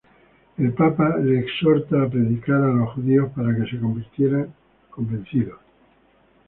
El papa le exhorta a predicar a los judíos para que se convirtieran convencidos.